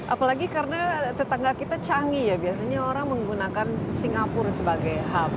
apalagi karena tetangga kita canggih ya biasanya orang menggunakan singapura sebagai hub